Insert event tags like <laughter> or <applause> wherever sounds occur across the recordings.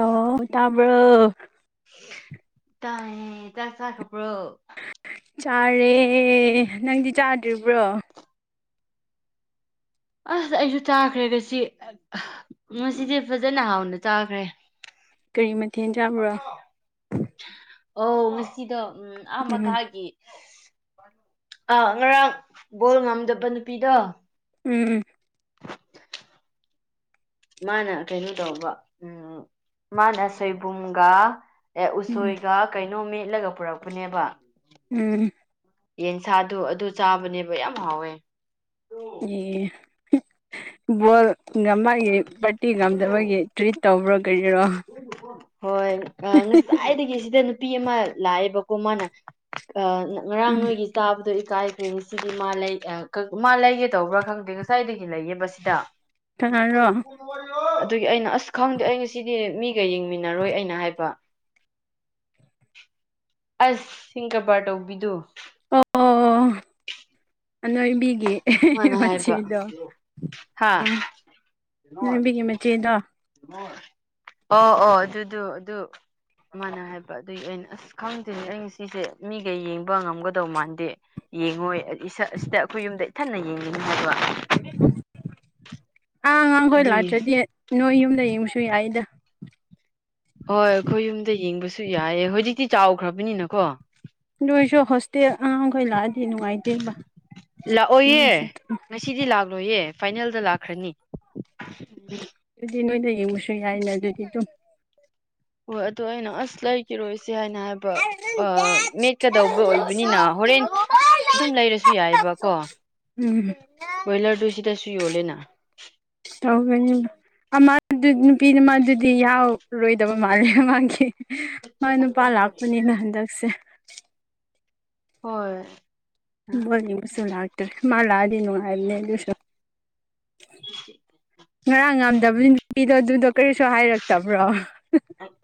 ꯑꯣ ꯇꯥꯕ ꯇꯥꯏꯌꯦꯦ ꯆ ꯆꯥ ꯈꯄ꯭ꯔꯣ ꯆꯥꯔꯦ ꯅꯪꯗꯤ ꯆꯥꯗ꯭ꯔꯤꯕ꯭ꯔꯣ ꯑꯁ ꯑꯩꯁꯨ ꯇꯥꯈ꯭ꯔꯦꯒ ꯁꯤ ꯉꯁꯤꯗꯤꯦ ꯐꯖꯅ ꯍꯥꯎꯅ ꯆꯥꯈ꯭ꯔꯦ ꯀꯔꯤ ꯃꯊꯦꯜ ꯆꯥꯕ꯭ꯔꯣ ꯑ ꯉꯁꯤꯗ ꯎꯝ ꯑꯥ ꯎꯝ ꯃꯈꯥꯒꯤ ꯑꯥ ꯉꯔꯥꯡ ꯕꯣꯜ ꯉꯝꯗꯕ ꯅꯨꯄꯤꯗꯣ ꯎꯝ ꯃꯥꯅ ꯀꯩꯅꯣ ꯇꯧꯕ ꯎꯝ ꯃꯥꯅ ꯁꯣꯏꯕꯨꯝꯒ ꯑꯦ ꯎꯝ ꯎꯁꯣꯏꯒ ꯀꯩꯅꯣ ꯃꯦꯠꯂꯒ ꯄꯨꯔꯛꯄꯅꯦꯕ ꯎꯝ ꯌꯦꯟꯁꯥꯗꯨ ꯑꯗꯨ ꯆꯥꯕꯅꯦꯕ ꯌꯥꯝ ꯍꯥꯎꯋꯦ ꯕꯣꯜ ꯉꯝꯃꯛꯒꯤ ꯥꯔꯇꯤ ꯉꯝꯗꯕꯒꯤ ꯇ꯭ꯔꯤꯠ ꯇꯧꯕ꯭ꯔꯣ ꯀꯔꯤꯔꯣ ꯍꯣꯏ ꯑ ꯀꯥꯏꯏꯗꯒꯤ ꯁꯤꯗ ꯅꯨꯄꯤ ꯑꯃ ꯂꯥꯛꯑꯦꯕꯀꯣ ꯃꯥꯅ ꯑ ꯉꯔꯥꯡ ꯎꯝ ꯅꯣꯏꯒꯤ ꯇꯥꯕꯗꯣ ꯏꯀꯥꯏꯈ꯭ꯔꯦꯅꯦ ꯁꯤꯗꯤ ꯃꯥ ꯂꯩ ꯃꯥ ꯂꯩꯒꯦ ꯇꯧꯕ꯭ꯔꯥ ꯈꯪꯗꯦ ꯉꯁꯥꯏꯗꯒꯤ ꯂꯩꯌꯦꯕ ꯁꯤꯗ ꯀꯅꯥꯔꯣ ꯑꯗꯨꯒꯤ ꯑꯩꯅ ꯑꯁ ꯈꯪꯗꯦ ꯑꯩꯅ ꯁꯤ ꯁꯤ ꯃꯤꯒ ꯌꯦꯡꯃꯤꯟꯅꯔꯣꯏ ꯑꯩꯅ ꯍꯥꯏꯕ ꯑꯁ ꯁꯤꯡ ꯀꯕꯥꯔ ꯇꯧꯕꯤꯗꯨꯣ ꯑꯣ ꯑꯣ ꯑꯅꯣꯏꯕꯤꯒꯤ ꯑꯦ ꯃꯥꯅ ꯍꯥꯏꯕ ꯃꯆꯦꯗꯣ ꯍꯥ ꯎꯝ ꯂꯣꯏꯕꯤꯒꯤ ꯃꯆꯦꯗꯣ ꯑꯣ ꯑꯣ ꯑꯣ ꯑꯗꯨꯗꯣ ꯑꯗꯨ ꯃꯥꯅ ꯍꯥꯏꯕ ꯑꯗꯨꯒꯤ ꯑ ꯑꯣꯏꯅ ꯑꯁ ꯈꯪꯗꯣꯏꯅꯦ ꯑꯩꯩꯅ ꯁꯤꯁꯦ ꯃꯤꯒ ꯌꯦꯡꯕ ꯉꯝꯒꯗꯧ ꯃꯥꯟꯗꯦ ꯌꯦꯡꯉꯣꯏ ꯏꯁ ꯑꯁꯤꯗ ꯑꯩꯈꯣꯏ ꯌꯨꯝꯗ ꯏꯊꯟꯅ ꯌꯦꯡꯉꯤꯅꯤ ꯍꯥꯏꯕ ꯑꯥ ꯑꯉꯥꯡꯈꯣꯏ ꯑꯗꯨꯒꯤ ꯂꯥꯛꯇ꯭ꯔꯗꯤ ꯅꯣꯏ ꯌꯨꯝꯗ ꯌꯦꯡꯕꯁꯨ ꯌꯥꯏꯗ ꯍꯣꯏ ꯑꯩꯈꯣꯏ ꯌꯨꯝꯗ ꯌꯦꯡꯕꯁꯨ ꯌꯥꯏꯑꯦ ꯍꯧꯖꯤꯛꯇꯤ ꯆꯥꯎꯈ꯭ꯔꯕꯅꯤꯅꯀꯣ ꯅꯣꯏꯁꯨ ꯍꯣꯁꯇꯦꯜ ꯑꯉꯥꯡꯈꯩ ꯂꯥꯛꯑꯗꯤ ꯅꯨꯡꯉꯥꯏꯇꯦꯕ ꯃꯔꯁꯨ ꯁꯤꯗꯤ ꯂꯥꯛꯂꯣꯏꯌꯦ ꯐꯥꯏꯅꯦꯜꯗ ꯂꯥꯛꯈ꯭ꯔꯅꯤ꯫ ꯎ ꯑꯗꯨꯗꯤ ꯅꯣꯏꯗ ꯌꯦꯡꯕꯁꯨ ꯌꯥꯏꯅꯦ ꯑꯗꯨꯗꯤ ꯑꯗꯨꯝ꯫ ꯍꯣꯏ ꯑꯗꯣ ꯑꯩꯅ ꯑꯁ ꯂꯩꯈꯤꯔꯣꯏꯁꯦ ꯍꯥꯏꯅ ꯍꯥꯏꯕ ꯕ ꯃꯦꯠꯀꯗꯧꯕ ꯑꯣꯏꯕꯅꯤꯅ ꯍꯣꯔꯦꯟ ꯑꯗꯨꯝ ꯂꯩꯔꯁꯨ ꯌꯥꯏꯑꯕꯀꯣ ꯎꯝ ꯕꯣꯏꯂꯔꯗꯨ ꯁꯤꯗꯁꯨ ꯌꯣꯜꯂꯦꯅ꯫ ꯇꯧꯒꯅꯤ ꯅꯨꯄꯤꯅ ꯃꯥꯗꯨꯗꯤ ꯌꯥꯎꯔꯣꯏꯗꯕ ꯃꯥꯜꯂꯦ ꯃꯃꯥꯡꯒꯤ ꯃꯥꯏ ꯅꯨꯄꯥ ꯂꯥꯛꯄꯅꯤꯅ ꯍꯟꯗꯛꯁꯦ꯫ ꯍꯣꯏ꯫ ꯕꯣꯜ ꯌꯦꯡꯕꯁꯨ ꯂꯛꯇꯦ ꯃꯥ ꯂꯛꯑꯗꯤ ꯅꯨꯡꯉꯥꯏꯕꯅꯦ ꯑꯗꯨꯁꯣ ꯉꯔꯥꯡ ꯉꯝꯗꯕ ꯅꯨꯄꯤꯗꯣ ꯑꯗꯨꯗꯣ ꯀꯔꯤꯁꯨ ꯍꯥꯏꯔꯛꯇꯕ꯭ꯔꯣ꯫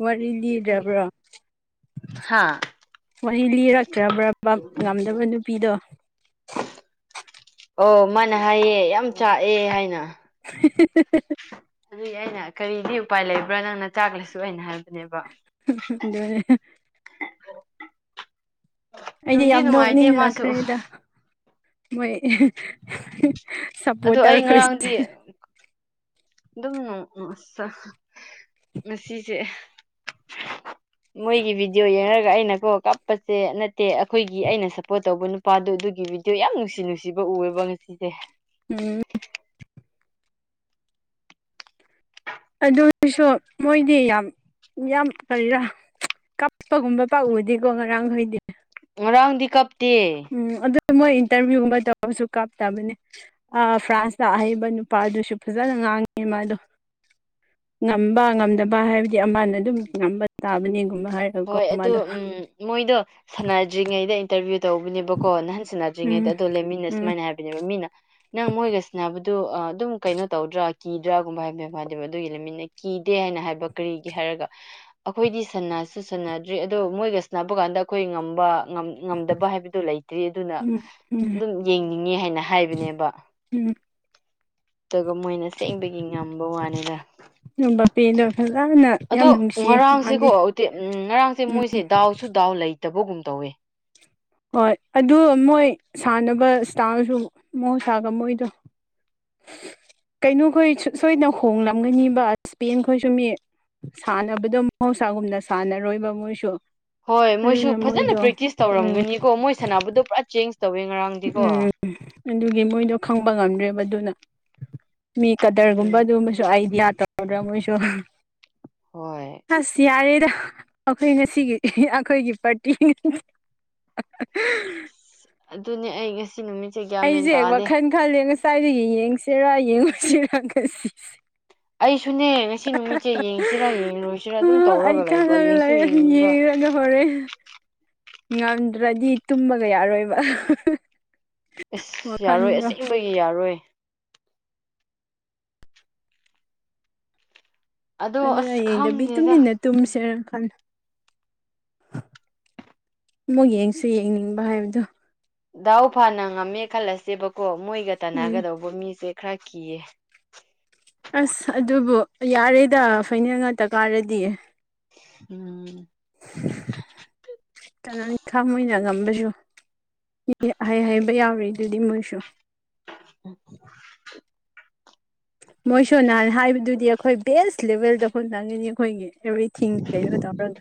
ꯋꯥꯔꯤ ꯂꯤꯗ꯭ꯔꯕ꯭ꯔꯣ꯫ ꯍꯥ ꯋꯥꯔꯤ ꯂꯤꯔꯛꯇ꯭ꯔꯕ꯭ꯔ ꯉꯝꯗꯕ ꯅꯨꯄꯤꯗꯣ꯫ ꯑꯣ ꯃꯥꯅ ꯍꯥꯏꯌꯦ ꯌꯥꯝ ꯆꯥꯛꯑꯦ ꯍꯥꯏꯅ꯫ <unintelligible> ꯑꯗꯨꯏ ꯑꯩꯅ ꯀꯔꯤꯗꯤ ꯎꯄꯥꯏ ꯂꯩꯕ꯭ꯔꯥ ꯅꯪꯅ ꯆꯥꯛꯂꯁꯨ ꯍꯣꯏꯔꯦꯟ ꯍꯥꯏꯔꯛꯀꯅꯦꯕ ꯑꯗꯨꯅꯦ ꯑꯩꯗꯤ ꯅꯨꯡꯗꯤ ꯌꯥꯝ ꯅꯨꯡꯉꯥꯏꯇꯦ ꯃꯥꯁꯨ ꯅꯣꯛꯅꯤꯡꯂꯛꯈ꯭ꯔꯦꯗ ꯃꯣꯏ <unintelligible> ꯑꯗꯣ ꯑꯩ ꯁꯞꯄꯣꯔꯇꯔꯈꯣꯏꯁꯦ ꯉꯔꯥꯡꯗꯤ꯫ ꯑꯗꯨꯝ <unintelligible> ꯉꯁꯤꯁꯦ ꯃꯣꯏꯒꯤ ꯚꯤꯗꯤꯑꯣ ꯌꯦꯡꯉꯔꯒ ꯑꯩꯅ ꯀꯣ ꯀꯞꯄꯁꯦ ꯅꯠꯇꯦ ꯑꯩꯈꯣꯏꯒꯤ ꯑꯩꯅ ꯁꯞꯄꯣꯔꯠ ꯇꯧꯕ ꯅꯨ ꯅꯨꯄꯥꯗꯣ ꯑꯗꯨꯒꯤ ꯚꯗꯤꯑꯣ ꯌꯥꯝ ꯅꯨꯡꯁꯤ ꯅꯨꯡꯁꯤꯕ ꯎꯑꯦꯕ ꯉꯁꯤ꫰ ꯎꯝ꯫ ꯑꯗꯨꯁꯨ ꯃꯣꯏꯗꯤ ꯌꯥꯝ ꯌꯥꯝ ꯀꯔꯤꯔꯥ ꯀꯥꯞꯄꯒꯨꯝꯕ ꯄꯥꯎꯗꯤꯀꯣ ꯉꯔꯥꯡꯈꯣꯏꯗꯤ ꯉꯔꯪꯗꯤ ꯀꯞꯇ꯫ ꯎꯝ ꯑꯗꯨ ꯃꯣꯏ ꯏꯟꯇꯔꯚꯤꯌꯨꯒꯨꯝꯕ ꯇꯧꯔꯁꯨ ꯀꯥꯞꯇꯕꯅꯦ꯫ ꯑ ꯐ꯭ꯔꯥꯟꯁꯇ ꯑꯍꯩꯕ ꯅꯨꯄꯥ ꯑꯗꯨꯁꯨ ꯐꯖꯅ ꯉꯥꯡꯉꯤ ꯃꯥꯗꯨ꯫ ꯉꯝꯕ ꯉꯝꯗꯕ ꯍꯥꯏꯕꯗꯤ ꯑꯃꯅ ꯑꯗꯨꯝ ꯉꯝꯕ ꯇꯥꯕꯅꯤꯒꯨꯝꯕ ꯍꯥꯏꯔ ꯍꯣꯏ ꯑꯗꯨ ꯎꯝ ꯃꯣꯏꯗꯣ ꯁꯥꯟꯅꯗ꯭ꯔꯤꯉꯩꯗ ꯏꯟꯇꯚꯤꯌꯨ ꯇꯧꯕꯅꯦꯕꯀꯣ ꯅꯍꯥꯟ ꯁꯥꯟꯅ ꯇꯗ꯭ꯔꯤꯉꯩꯗ ꯎꯝ ꯑꯗꯨ ꯂꯦꯃꯤꯟꯅ ꯎꯝ ꯁꯨꯃꯥꯏꯅ ꯍꯥꯏꯕꯅꯦꯕ ꯃꯤꯅ ꯅꯪ ꯃꯣꯏꯒꯁꯅꯕꯗꯨ ꯑꯗꯨꯝ ꯀꯩꯅꯣ ꯇꯧꯗ꯭ꯔꯥ ꯀꯤꯗ꯭ꯔꯥꯒꯨꯝꯕ ꯍꯥꯏꯕꯅꯦ ꯍꯥꯏꯗꯕ ꯑꯗꯨꯒꯤꯃꯤꯠꯅ ꯀꯤꯗꯦ ꯍꯥꯏꯅ ꯍꯥꯏꯕ ꯀꯔꯤꯒꯤ ꯍꯥꯏꯔꯒ ꯑꯩꯈꯣꯏꯗꯤ ꯁꯅꯥ ꯆꯨꯁꯥꯟꯅꯗ꯭ꯔꯤ ꯑꯗꯣ ꯃꯣꯏꯒ ꯁꯥꯟꯅꯕ ꯀꯥꯟꯗ ꯑꯩꯈꯣꯏ ꯉꯝꯕ ꯉꯝꯗꯕ ꯍꯥꯏꯕꯗꯣ ꯂꯩꯇ꯭ꯔꯤ ꯑꯗꯨꯅ ꯎꯝ ꯎꯝ ꯑꯗꯨꯝ ꯌꯦꯡꯅꯤꯡꯉꯦ ꯍꯥꯏꯅ ꯍꯥꯏꯕꯅꯦꯕ꯫ ꯎꯝ꯫ ꯑꯗꯨꯒ ꯃꯣꯏꯅ ꯁꯦꯡꯕꯒꯤ ꯉꯝꯕ ꯋꯥꯅꯤꯗ꯫ ꯑꯦꯝ ꯕꯥꯄꯦꯗꯨ ꯐꯖꯅ ꯌꯥꯝ ꯅꯨꯡꯁꯤꯌꯦ꯫ ꯁꯤꯀꯣ ꯃꯥꯗꯤ ꯎꯇꯦ ꯉꯔꯥꯡꯁꯦ ꯎꯝ ꯃꯣꯏꯁꯦ ꯗꯥꯎꯁꯨ ꯗꯥꯎ ꯂꯩꯇꯕꯒꯨꯝ ꯇꯧꯋꯦ꯫ ꯍꯣꯏ ꯑꯗꯨ ꯃꯣꯏ ꯁꯥꯟꯅꯕ ꯏꯁꯇꯥꯔꯁꯨ ꯃꯍꯧꯁꯥꯒ ꯃꯣꯏꯗꯣ꯫ ꯀꯩꯅꯣꯈꯣꯏ ꯁꯣꯏꯗꯅ ꯍꯣꯡꯂꯝꯒꯅꯤꯕ ꯏꯁꯄꯦꯟ ꯈꯣꯏ ꯁꯨ ꯃꯤ꯫ ꯁꯥꯟꯅꯕꯗꯣ ꯃꯍꯧꯁꯥꯒꯨꯝꯅ ꯁꯥꯟꯅꯔꯣꯏꯕ ꯃꯣꯏꯁꯨ꯫ ꯍꯣꯏ ꯃꯣꯏꯁꯨ ꯑꯗꯨꯅ ꯐꯖꯅ ꯃꯣꯏꯗꯣ ꯄ꯭ꯔꯦꯛꯇꯤꯁ ꯎꯝ ꯇꯧꯔꯝꯒꯅꯤꯀꯣ ꯃꯣꯏ ꯁꯅꯥꯕꯨꯗꯣ ꯄꯨꯔꯥ ꯆꯦꯟꯖ ꯇꯧꯋꯦ ꯉꯔꯥꯡꯗꯤꯀꯣ꯫ ꯎꯝ ꯑꯗꯨꯒꯤ ꯃꯣꯏꯗꯣ ꯈꯪꯕ ꯉꯝꯗ꯭ꯔꯦꯕ ꯑꯗꯨꯅ ꯃꯤ ꯀꯗꯔꯒꯨꯝꯕ ꯎꯝ ꯑꯗꯨꯕ ꯁꯨ ꯑꯥꯏꯗꯤꯌꯥ ꯇꯧꯗ꯭ꯔꯥ ꯃꯣꯏꯁꯨ꯫ ꯍꯣꯏ꯫ ꯑꯁ ꯌꯥꯔꯦꯗ ꯑꯩꯈꯣꯏ ꯉꯁꯤꯒꯤ ꯑꯩꯈꯣꯏꯒꯤ ꯄꯥꯔꯇꯤ꫰꫰ <unintelligible> ꯑꯗꯨꯅꯦ ꯑꯩ ꯉꯁꯤ ꯅꯨꯃꯤꯠ ꯑꯩꯁꯦ ꯋꯥꯈꯜ ꯈꯜꯂꯤꯅꯤ ꯉꯁꯥꯏꯗꯒꯤ ꯌꯦꯡꯁꯤꯔꯥ ꯌꯦꯡꯉꯨꯁꯤꯔ ꯈꯟꯁꯤ꯫ ꯑꯩꯁꯨꯅꯦ ꯉꯁꯤ ꯅꯨꯃꯤꯠꯁꯦ ꯌꯦꯡꯁꯤꯔꯥ ꯌꯦꯡꯇꯣꯏꯁꯤꯔꯥ ꯑꯗꯨꯝ ꯇꯧꯔꯒ ꯂꯩꯕ ꯌꯦꯡꯁꯨ ꯌꯦꯡꯅꯤꯡꯕ꯫ ꯐꯔꯦ ꯉꯝꯗ꯭ꯔꯗꯤ ꯇꯨꯝꯃꯒ ꯌꯥꯔꯣꯏꯕ ꯑꯁ ꯌꯥꯔꯣꯏ ꯋꯥꯈꯜꯗꯣ ꯑꯁꯦꯡꯕꯒꯤ ꯌꯥꯔꯣꯏ ꯑꯗꯣ ꯑꯗꯨ ꯑꯁ ꯍꯌꯦꯡꯗꯕꯤ ꯈꯪꯗꯦꯗ ꯇꯨꯃꯤꯟꯅ ꯇꯨꯝꯁꯦꯔ ꯈꯜꯂ ꯑꯃꯨꯛ ꯌꯦꯡꯁꯤ ꯌꯦꯡꯅꯤꯡꯕ ꯍꯥꯏꯕꯗꯣ ꯗꯥꯍꯎ ꯐꯅ ꯉꯝꯃꯦ ꯈꯜꯂꯁꯦꯕꯀꯣ ꯃꯣꯏꯒ ꯎꯝ ꯇꯅꯒꯗꯧꯕ ꯃꯤꯁꯦ ꯈꯔ ꯀꯤꯌꯦ ꯑꯁ ꯑꯗꯨꯕꯨ ꯌꯥꯔꯦꯗ ꯐꯅꯜ ꯉꯥꯛꯇ ꯀꯥꯔꯗꯤꯌꯦ ꯎꯝ ꯀꯅꯥ ꯏꯪ ꯈꯥꯡꯅ ꯉꯝꯕꯁꯨ ꯍꯥꯏꯕ ꯌꯥꯎꯔꯦ ꯑꯗꯨꯗꯤ ꯃꯣꯏꯁꯨ ꯎ ꯃꯣꯏꯁꯨ ꯅꯍꯥꯟ ꯍꯥꯏꯕꯗꯨꯗꯤ ꯑꯩꯈꯣꯏ ꯕꯦꯁ ꯂꯦꯚꯦꯜꯗ ꯑꯩꯈꯣꯏ ꯅꯪꯉꯤꯅꯤ ꯑꯩꯈꯣꯏꯒꯤ ꯑꯦꯕ꯭ꯔꯤꯊꯤꯡ ꯀꯩꯩꯅꯗꯔ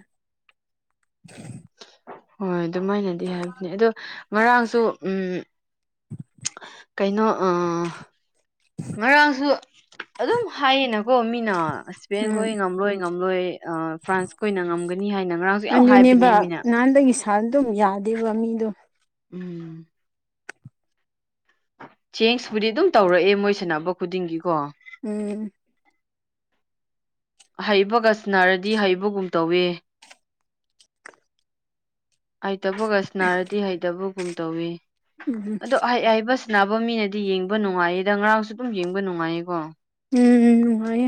ꯍꯣꯏ ꯑꯗꯨꯃꯥꯏꯅꯗꯤ ꯍꯥꯏꯕꯅꯤ ꯑꯗꯣ ꯉꯔꯥꯡꯁꯨ ꯎꯝ ꯀꯩꯅꯣ ꯉꯔꯥꯡꯁꯨ ꯑꯗꯨꯝ ꯍꯥꯏꯌꯦꯅꯀꯣ ꯃꯤꯅ ꯍꯁꯕꯦꯟ ꯀꯣ ꯎꯝ ꯉꯝꯂꯣꯏ ꯉꯝꯂꯣꯏ ꯑ ꯐ꯭ꯔꯥꯟꯁ ꯀ ꯑꯣꯏꯅ ꯉꯝꯒꯅꯤ ꯍꯥꯏꯅ ꯉꯔꯥꯡꯁꯨ ꯌꯥꯝ ꯍꯥꯏꯕꯅꯦ ꯃꯤꯅ ꯅꯥꯟ ꯑꯗꯨꯝ ꯌꯥꯗꯦꯕ ꯃꯤꯗꯣ ꯎꯝ ꯆꯦꯡꯁꯄꯨꯗꯤ ꯑꯗꯨꯝ ꯇꯧꯔꯛꯑꯦ ꯃꯣꯏ ꯁꯥꯟꯅꯕ ꯈꯨꯗꯤꯡꯒꯤꯀꯣ ꯎꯝ ꯍꯩꯕꯒ ꯁꯤꯟꯅꯔꯗꯤ ꯍꯩꯕꯒꯨꯝ ꯇꯧꯋꯦ ꯍꯩꯇꯕꯒꯁ ꯅꯥꯔꯗꯤ ꯍꯩꯇꯕꯒꯨꯝ ꯇꯧꯋ ꯎꯝ ꯑꯗꯣ ꯍꯥꯏꯕ ꯅꯕ ꯃꯤꯅꯗꯤ ꯌꯦꯡꯕ ꯅꯨꯡꯉꯥꯏꯌꯦꯗ ꯉꯔꯥꯡꯁꯨ ꯑꯗꯨꯝ ꯌꯦꯡꯕ ꯅꯨꯡꯉꯥꯏꯌꯦꯀꯣ ꯎꯝ ꯎꯝ ꯅꯨꯡꯉꯩ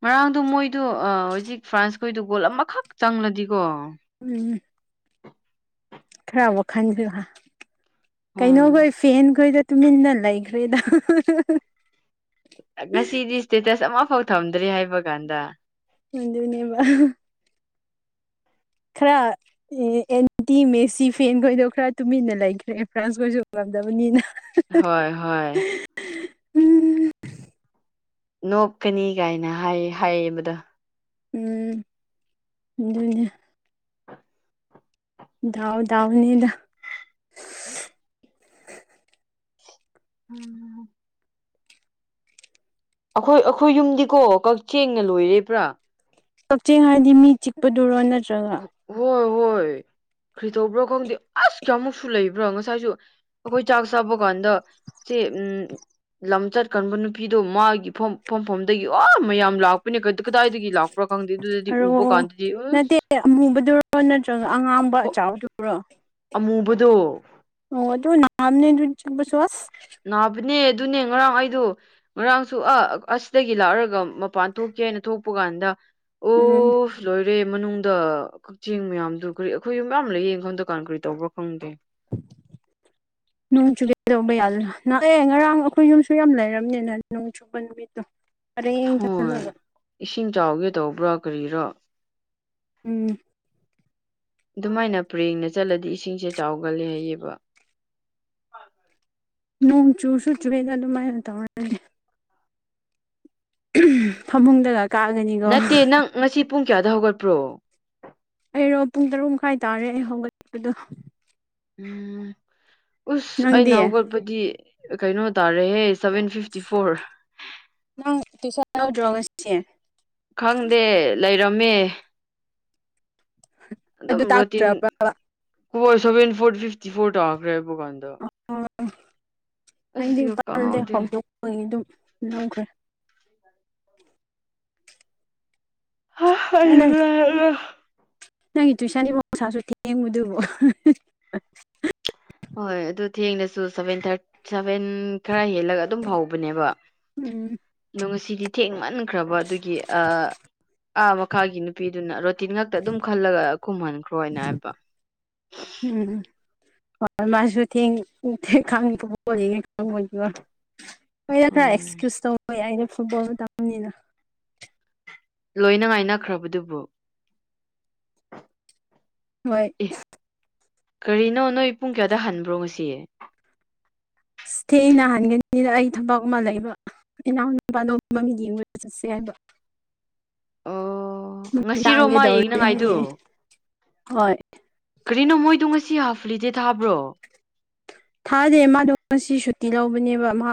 ꯉꯔꯥꯡꯗꯨ ꯃꯣꯏꯗꯨ ꯍꯧꯖꯤꯛ ꯐ꯭ꯔꯥꯟꯁꯈꯣꯏꯗꯨ ꯒꯣꯜ ꯑꯃꯈꯛ ꯆꯪꯂꯗꯤꯀꯣ ꯎꯝ ꯈꯔ ꯋꯥꯈꯟꯁꯨ ꯎꯝ ꯀꯩꯅꯣꯈꯣꯏ ꯐꯦꯟꯈꯣꯏꯗ ꯇꯨꯃꯤꯟꯅ ꯂꯩ ꯐꯔꯤꯗ ꯉꯁꯤꯗꯤ ꯏꯁꯇꯦꯇꯁ ꯑꯃꯐꯥꯎ ꯊꯝꯗ꯭ꯔꯦ ꯍꯥꯏꯕ ꯀꯥꯟꯗ ꯍꯗꯨꯅꯦꯕ ꯈꯔ ꯑꯦ ꯑꯦꯟꯇꯤ ꯃꯦꯁꯤ ꯐꯦꯟꯈꯣꯏꯗꯣ ꯈꯔ ꯇꯨꯃꯤꯟꯅ ꯂꯩꯈ꯭ꯔꯦ ꯑꯦ ꯐ꯭ꯔꯥꯟꯁ ꯈꯣꯏꯁꯨ ꯉꯝꯗꯕꯅꯤꯅ ꯍꯣꯏ ꯍꯣꯏ ꯎꯝ ꯅꯣꯛꯞꯀꯅꯤ ꯀꯥꯏꯅ ꯍꯥꯏ ꯍꯥꯏꯌꯦꯕꯗ ꯎꯝꯖꯗꯤ ꯗꯥꯎ ꯗꯥꯎꯅꯤꯗ ꯎꯝ ꯑꯩꯈꯣꯏ ꯑꯩꯈꯣꯏ ꯌꯨꯝꯗꯤꯀꯣ ꯀꯛꯆꯦꯡꯅ ꯂꯣꯏꯔꯦꯕ꯭ꯔꯥ ꯀꯛꯆꯤꯡ ꯍꯥꯏꯗꯤ ꯃꯤ ꯆꯤꯛꯄꯗꯨꯔꯣ ꯅꯠꯇ꯭ꯔꯒ ꯍꯣꯏ ꯍꯣꯏ ꯈ꯭ꯔꯤ ꯇꯧꯕ꯭ꯔꯣ ꯈꯪꯗꯦ ꯑꯁ ꯀꯌꯥꯃꯨꯛꯁꯨ ꯂꯩꯕ꯭ꯔꯥ ꯉꯁꯥꯏꯁꯨ ꯈꯣꯏ ꯆꯥꯛ ꯆꯕ ꯀꯟꯗ ꯁꯤ ꯎꯝ ꯂꯝ ꯆꯠꯀꯟꯕ ꯅꯨꯄꯤꯗꯣ ꯃꯥꯒꯤꯐꯝ ꯐꯐꯝꯐꯝꯗꯒꯤ ꯑꯣ ꯃꯌꯥꯝ ꯂꯥꯛꯄꯅꯦ ꯀꯗꯥꯏꯗꯒꯤ ꯂꯥꯛ ꯎ ꯈꯪ ꯑꯗꯨꯗꯨꯗꯤ ꯎꯕꯣ ꯀꯥꯟ ꯑꯦ ꯑꯃꯨꯕꯗꯨꯔꯣ ꯅꯠꯇ꯭ꯔꯒ ꯑꯉꯥꯡꯕ ꯑꯆꯥꯎꯗꯨꯔꯣ ꯀꯗꯨ ꯑꯣ ꯑꯗꯨ ꯅꯝꯅꯤꯗꯨ ꯆ ꯁꯋꯥꯁ ꯅꯥꯕꯅꯦ ꯑꯗꯨꯅꯦ ꯉꯔꯥꯡ ꯑꯩꯗꯣ ꯉꯔꯥꯡꯁꯨ ꯑ ꯑꯁꯤꯗꯒꯤ ꯂꯥꯛꯑꯔꯒ ꯃꯄꯥꯟ ꯊꯣꯛꯀꯦ ꯍꯥꯏꯅ ꯊꯣꯛꯄ ꯀꯥꯟꯗ ꯎꯝ ꯑꯣ ꯂꯣꯏꯔꯦ ꯃꯅꯨꯡꯗ ꯀꯛꯆꯤꯡ ꯃꯌꯥꯝꯗꯨ ꯀꯔꯤ ꯑꯩꯈꯣꯏꯁꯨ ꯃꯌꯥꯝ ꯑꯃ ꯂꯩꯌꯦꯡ ꯈꯪꯗꯀꯥꯟ ꯀꯔꯤ ꯇꯧꯕ꯭ꯔꯥ ꯈꯪꯗꯦ <inaudible> ꯅꯣꯡ ꯆꯨꯒꯦꯗꯧꯕ ꯌꯥ ꯅ ꯑꯦ ꯉꯔꯥꯡ ꯑꯩꯈꯣꯏ ꯌꯨꯝꯁꯨ ꯌꯥꯝ ꯂꯩꯔꯝꯅꯤꯅ ꯅꯣꯡ ꯆꯨꯄꯟ <unintelligible> ꯍꯣꯏ ꯏꯁꯤꯡ ꯆꯥꯎꯒꯦ ꯇꯧꯕ꯭ꯔꯥ ꯀꯔꯤꯔꯣ ꯎꯝ ꯑꯗꯨꯃꯥꯏꯅ ꯄꯔꯦꯡꯅ ꯆꯠꯂꯗꯤ ꯏꯁꯤꯡꯁꯦ ꯆꯥꯎꯒꯜꯂꯦ ꯍꯥꯏꯌꯦꯕ ꯅꯣꯡ ꯆꯨꯁꯨ ꯆꯨꯔꯦ ꯑꯗꯨꯃꯥꯏꯅ ꯇꯧꯔꯒ ꯐꯃꯨꯡꯗꯒ ꯀꯥꯒꯅꯤꯀꯣ ꯅꯠꯇꯦ ꯅꯪ ꯉꯁꯤ ꯄꯨꯡ ꯀꯌꯥꯗ ꯍꯧꯒꯠꯄ꯭ꯔꯣ ꯑꯩꯔꯣ ꯄꯨꯡ ꯇꯔꯨꯛ ꯃꯈꯥꯏ ꯇꯥꯔꯦ ꯑꯩ ꯍꯧꯒꯠꯄꯗꯣ ꯎꯝ ꯎꯁ ꯅꯪꯗꯤ ꯑꯩꯅ ꯍꯧꯒꯠꯄꯗꯤ ꯀꯩꯅꯣ ꯇꯥꯔꯦꯍꯦ ꯁꯕꯦꯟ ꯐꯤꯐꯇꯤ ꯐꯣꯔ ꯅꯪ ꯇꯨꯏꯁꯟ ꯇꯧꯗ꯭ꯔꯣ ꯉꯁꯤ ꯈꯪꯗꯦ ꯂꯩꯔꯝꯃꯦ ꯑꯗꯨꯝ ꯑꯗꯨ ꯔꯣꯇꯤꯟ ꯇꯥꯛꯇ꯭ꯔꯕ꯭ꯔꯕ call seven four fifty four ꯇꯥꯈ꯭ꯔꯦ <unintelligible> ꯑꯣ ꯑꯁ ꯑꯩꯗꯤ ꯁꯤꯒ ꯄꯜꯗꯦ ꯀꯥꯎꯍꯧꯗꯦ ꯍꯧꯗꯣꯛꯄꯒꯤ ꯑꯗꯨꯝ ꯂꯧꯈ꯭ꯔꯦ <inaudible> ꯅꯪ <unintelligible> ꯅꯪꯒꯤ ꯇꯨꯏꯁꯟꯗꯤꯐ ꯃꯁꯥꯁꯨ ꯊꯦꯡꯕꯨꯗꯨꯕꯣ ꯍꯣꯏ ꯑꯗꯨ ꯊꯦꯡꯅꯁꯨ ꯁꯚꯦꯟ ꯊꯔ ꯁꯚꯦꯟ ꯈꯔ ꯍꯦꯜꯂꯒ ꯑꯗꯨꯝ ꯍꯧꯕꯅꯦꯕ ꯎꯝ ꯑꯗꯣ ꯉꯁꯤꯗꯤ ꯊꯦꯡꯃꯟꯈ꯭ꯔꯕ ꯑꯗꯨꯒꯤ ꯑ ꯑꯥ ꯃꯈꯥꯒꯤ ꯅꯨꯄꯤꯗꯨꯅ ꯔꯣꯇꯤꯟ ꯉꯛꯇ ꯑꯗꯨꯝ ꯈꯜꯂꯒ ꯈꯨꯝꯍꯟꯈ꯭ꯔꯣꯅ ꯍꯥꯏꯕ <inaudible> ꯎꯝ ꯍꯣꯏ ꯃꯥꯁꯨ ꯊꯦꯡ ꯈꯥꯡ <unintelligible> <unintelligible> ꯐꯨꯠꯕꯣꯜ ꯃꯇꯝꯅꯤꯅ ꯂꯣꯏꯅ ꯉꯥꯏꯅꯈ꯭ꯔꯕꯗꯨꯕꯨ ꯍꯣꯏ ꯑꯦ ꯀꯔꯤꯅꯣ ꯅꯣꯏ ꯄꯨꯡ ꯀꯌꯥꯗ ꯍꯟꯕ꯭ꯔꯣ ꯉꯁꯤ ꯑꯁ ꯊꯦꯡꯅ ꯍꯟꯒꯅꯤꯗ ꯑꯩ ꯊꯥꯕꯛ ꯑꯃ ꯂꯩꯕ ꯏꯅꯥꯎ ꯅꯨꯄꯥꯗꯣ ꯃꯃꯤꯠ ꯌꯦꯡꯕ ꯆꯠꯁꯦ ꯍꯥꯏꯕ ꯑꯣ ꯃꯤꯠ ꯉꯁꯤꯔꯣ ꯇꯥꯡꯒꯦ ꯃꯥ ꯇꯧꯔꯦ ꯌꯦꯡꯅꯕꯍꯥꯏꯗꯨ ꯍꯥꯏꯌꯦ ꯍꯣꯏ ꯀꯔꯤꯅꯣ ꯃꯣꯏꯗꯣ ꯉꯁꯤ ꯍꯥꯞꯐ ꯍꯣꯂꯤꯗꯦ ꯊꯥꯕ꯭ꯔꯣ ꯊꯥꯗꯦ ꯃꯥꯗꯣ ꯉꯁꯤ ꯁꯨꯇꯤ ꯂꯧꯕꯅꯦꯕ ꯃꯥ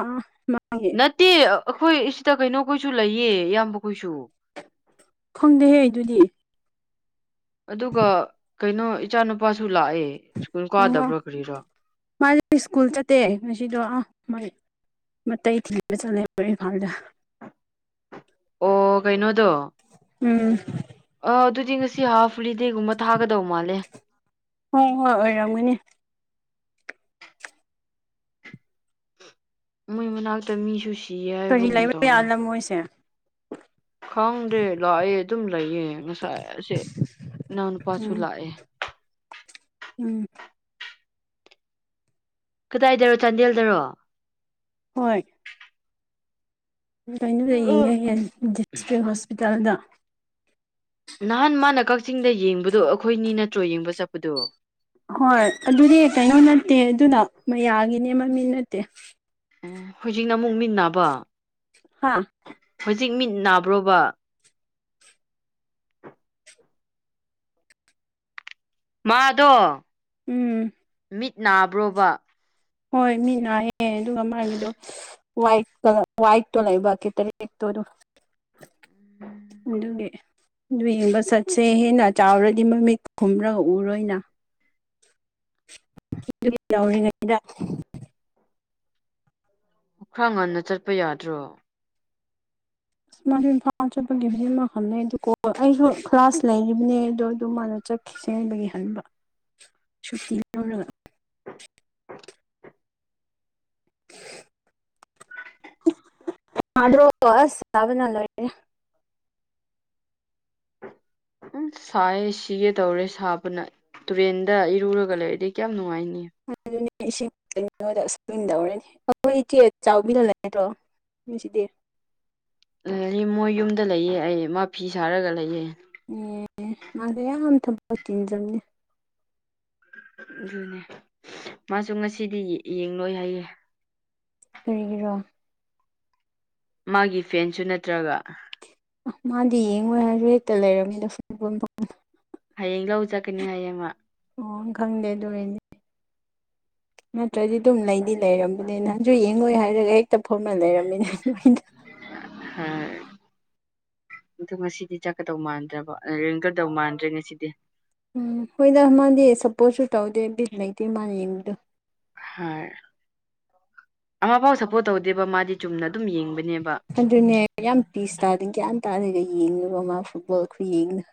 ꯃꯥ ꯅꯠꯇꯦ ꯑꯩꯈꯣꯏ ꯁꯤꯗ ꯀꯩꯅꯣꯈꯣꯏꯁꯨ ꯂꯩꯌꯦ ꯏꯌꯥꯝꯕ ꯈꯣꯏꯁꯨ ꯐꯪꯗꯦꯍꯦ ꯑꯗꯨꯗꯤ ꯑꯗꯨꯒ ꯀꯩꯅꯣ ꯏꯆꯥ ꯅꯨꯨꯄꯥꯁꯨ ꯂꯥꯛꯑꯦ ꯁ꯭ꯀꯨꯜ ꯑꯣ ꯀꯥꯗꯕ꯭ꯔꯥ ꯀꯥꯔꯤꯔꯥ ꯃꯥꯗꯤ ꯁ꯭ꯀꯨꯜ ꯆꯠꯇꯦ ꯉꯁꯤꯗꯣ ꯑꯥ ꯃꯥ ꯃꯇꯩ ꯊꯤꯟꯕ ꯇꯠꯂꯦ <unintelligible> ꯑꯣ ꯀꯩꯅꯣꯗꯣ ꯎꯝ ꯑ ꯑꯗꯨꯗꯤ ꯉꯁꯤ ꯍꯥꯐ ꯍꯣꯂꯤꯗꯦꯒꯨꯝꯕ ꯊꯥꯒꯗꯧ ꯃꯥꯜꯂꯦ ꯍꯣꯏ ꯍꯣꯏ ꯑꯣꯏꯔꯝꯒꯅꯤ ꯃꯣꯏ ꯃꯅꯥꯛꯇ ꯃꯤꯁꯨ ꯁꯤꯌꯦ ꯀꯔꯤ ꯍꯥꯏꯕꯒꯨꯝ ꯂꯩꯕ ꯇꯧꯋꯦ ꯌꯥꯜꯂ ꯃꯣꯏꯁꯦ ꯈꯪꯗꯦ ꯂꯥꯛꯑꯦ ꯑꯗꯨꯝ ꯂꯩꯌꯦ ꯉꯁꯥꯏ ꯑꯁꯦ ꯏꯅꯥꯎꯅꯨꯄꯥꯁꯨ ꯎꯝ ꯂꯥꯛꯑꯦ ꯎꯝ ꯀꯗꯥꯏꯗꯔꯣ ꯆꯥꯟꯗꯦꯜꯗꯔꯣ ꯍꯣꯏ <unintelligible> ꯗꯤꯁꯇ꯭ꯔꯤꯛ ꯍꯣꯁꯄꯤꯇꯥꯜꯗꯥ ꯅꯍꯥꯟ ꯃꯥꯅ ꯀꯛꯆꯤꯡꯗ ꯌꯦꯡꯕꯗꯣ ꯑꯩꯈꯣꯏꯅꯤ ꯅꯠꯇ꯭ꯔꯣ ꯌꯦꯡꯕ ꯆꯠꯄꯗꯣ ꯍꯣꯏ ꯑꯗꯨꯗꯤ ꯀꯩꯅꯣ ꯅꯠꯇꯦ ꯑꯗꯨꯅ ꯃꯌꯥꯒꯤꯅꯦ ꯃꯃꯤꯠ ꯅꯠꯇꯦ ꯎꯝ ꯍꯧꯖꯤꯛꯅ ꯑꯃꯨꯛ ꯃꯤꯠ ꯅꯥꯕ ꯍꯥꯥ ꯍꯧꯖꯤꯛ ꯃꯤꯠ ꯅꯥꯕ꯭ꯔꯣꯕꯥ ꯃꯥꯗꯣ ꯎꯝ ꯃꯤꯠ ꯅꯥꯕ꯭ꯔꯣꯕ ꯍꯣꯏ ꯃꯤꯅ ꯍꯥꯏꯌꯦ ꯑꯗꯨꯒ ꯃꯥꯏꯃꯤꯠꯗꯣ ꯋꯥꯏꯠ ꯀ‌ ꯋꯥꯏꯠ ꯇꯣ ꯂꯩꯕ ꯀꯦ ꯇꯔꯦꯠ ꯇꯣ ꯑꯗꯨꯒ <unintelligible> ꯑꯗꯨꯒꯤ ꯑꯗꯨ ꯌꯦꯡꯕ ꯆꯠꯁꯦ ꯍꯥꯏꯅ ꯆꯥꯎꯔꯗꯤ ꯃꯃꯤꯠ ꯈꯨꯝꯔꯒ ꯎꯔꯣꯏꯅ ꯂꯧꯔꯤꯉꯩꯗ <unintelligible> ꯈꯔ ꯉꯟꯅ ꯆꯠꯄ ꯌꯥꯗ꯭ꯔꯣ ꯃꯥꯗꯤ ꯏꯝꯐꯥꯜ ꯆꯠꯄꯒꯤ ꯃꯤ ꯑꯃ ꯍꯜꯂꯦ <unintelligible> ꯑꯗꯨ ꯑꯩꯁꯨ ꯀ꯭ꯂꯥꯁ ꯂꯩꯔꯤꯕꯕꯅꯦ ꯑꯗꯣ ꯑꯗꯨ ꯃꯥꯅ ꯆꯠꯈꯤ ꯁꯦꯡꯕꯒꯤ ꯍꯟꯕ ꯁꯨꯛꯇꯤ ꯂꯧꯔꯒ <unintelligible> ꯎꯝ ꯁꯥꯏ ꯁꯤꯒꯦ ꯇꯧꯔꯦ ꯁꯥꯕꯅ ꯇꯨꯔꯦꯟꯗ ꯏꯔꯨꯔꯥꯒ ꯂꯩꯔꯗꯤ ꯀꯌꯥꯝ ꯅꯨꯡꯉꯥꯏꯅꯤ <unintelligible> ꯑꯩꯈꯣꯏ ꯏꯆꯦ ꯆꯥꯎꯕꯤꯗꯣ ꯂꯩꯇ꯭ꯔꯣ ꯁꯤꯗꯦ <unintelligible> ꯂꯩꯌ‌ꯦ ꯃꯣꯏ ꯌꯨꯝꯗ ꯂꯩꯌꯦ ꯑꯩ ꯃꯥ ꯐꯤ ꯁꯥꯔꯒ ꯂꯩꯌꯦ ꯑꯦ ꯃꯥꯗꯤ ꯌꯥꯝ <unintelligible> ꯑꯗꯨꯅꯦꯕ ꯃꯥꯁꯨ ꯉꯁꯤꯗꯤ ꯌꯦꯡ ꯉꯣꯏ ꯍꯥꯏꯌꯦ ꯀꯔꯤꯒꯤꯔꯥ ꯃꯥꯒꯤ ꯐꯦꯟꯁꯨ ꯅꯠꯇ꯭ꯔꯥꯒ ꯃꯥꯗꯤ ꯌꯦꯡꯉꯣꯏ ꯍꯥꯏꯔꯦ ꯍꯦꯛꯇꯥ ꯂꯩꯔꯝꯃꯤꯗ <unintelligible> ꯍꯌꯦꯡ ꯂꯧ ꯆꯠꯀꯅꯤ ꯍꯥꯏꯌꯦ ꯃꯥ ꯑꯣ ꯈꯪꯗꯦ ꯑꯗꯨ ꯑꯣꯏꯗꯤ ꯅꯠꯇ꯭ꯔꯗꯤ ꯑꯗꯨꯝ ꯂꯩꯗꯤ ꯂꯩꯔꯝꯕꯅꯤ ꯅꯍꯥꯟꯁꯨ ꯌꯦꯡꯉꯣꯏ ꯍꯥꯏꯔꯒ ꯍꯦꯛꯇ ꯐꯝꯔ ꯂꯩꯔꯝꯃꯤꯅꯦ ꯑꯗꯨꯃꯥꯏꯅ <unintelligible> <unintelligible> ꯑꯗꯣ ꯉꯁꯤꯗꯤ ꯆꯠꯀꯗꯧ ꯃꯥꯟꯗ꯭ꯔꯕ ꯌ‌ꯦꯡꯒꯗꯧ ꯃꯥꯟꯗ꯭ꯔꯦ ꯉꯁꯤꯗꯤ ꯎꯝ ꯍꯣꯏꯗ ꯃꯥꯗꯤ ꯁꯞꯄꯣꯔꯠꯁꯨ ꯇꯧꯗꯦ ꯕꯤꯠ ꯂꯩꯇꯦ ꯃꯥꯅ ꯌꯦꯡꯕꯗꯨ ꯍꯣꯏ ꯑꯃ ꯐꯥꯎ ꯁꯞꯄꯣꯔꯠ ꯇꯧꯗꯦꯕ ꯃꯥꯗꯤ ꯆꯨꯝꯅ ꯑꯗꯨꯝ ꯌꯦꯡꯕꯅꯦꯕ ꯑꯗꯨꯅꯦ ꯌꯥꯝ ꯄꯤꯁ <unintelligible> ꯇꯥꯗꯅ ꯒ꯭ꯌꯥꯟ ꯇꯥꯅꯒ ꯌꯦꯡꯉꯦꯕ ꯃꯥ ꯐꯨꯠꯕꯣꯜ ꯈꯨ ꯌꯦꯡꯗꯣ